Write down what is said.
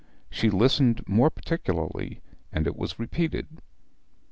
She listened more particularly, and it was repeated.